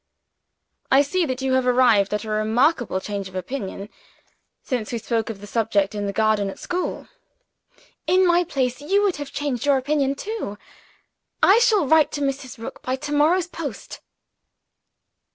"I see that you have arrived at a remarkable change of opinion, since we spoke of the subject in the garden at school." "In my place, you would have changed your opinion too. I shall write to Mrs. Rook by tomorrow's post."